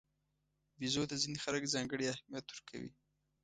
بیزو ته ځینې خلک ځانګړی اهمیت ورکوي.